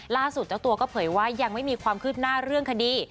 เจ้าตัวก็เผยว่ายังไม่มีความคืบหน้าเรื่องคดี